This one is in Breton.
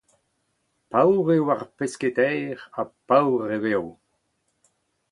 Paour eo ar pesketaer, ha paour e vezo.